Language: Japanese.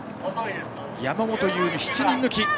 山本釉未、７人抜き。